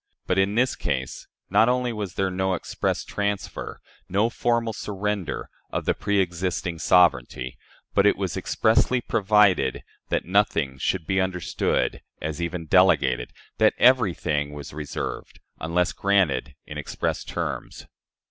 But in this case not only was there no express transfer no formal surrender of the preëxisting sovereignty, but it was expressly provided that nothing should be understood as even delegated that everything was reserved, unless granted in express terms.